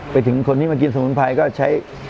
ไปถึงคนที่มากินสมุนไพรก็ใช้